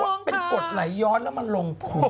ว่าเป็นกฏไหลย้อนแล้วมันลงพุรธรรม